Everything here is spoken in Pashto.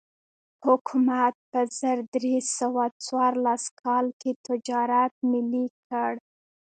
حکومت په زر درې سوه څوارلس کال کې تجارت ملي کړ.